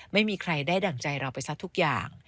ไม่มีใครได้ดั่งใจเราไปซะทุกอย่าง